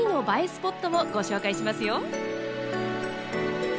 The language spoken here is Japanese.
スポットもご紹介しますよ。